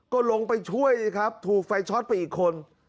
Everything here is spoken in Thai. ก็ลงไปช่วยครับถูกไฟช็อตไปอีกคน